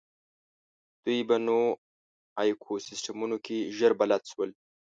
دوی په نوو ایکوسېسټمونو کې ژر بلد شول.